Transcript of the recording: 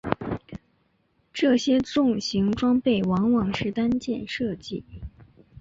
这些重型装备往往是单件设计。